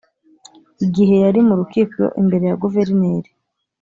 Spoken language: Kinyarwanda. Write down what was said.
Igihe yari mu rukiko imbere ya Guverineri